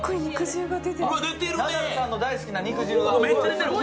ナダルさんの大好きな肉汁が。